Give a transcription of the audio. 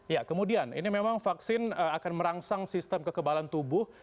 ya kemudian ini memang vaksin akan merangsang sistem kekebalan tubuh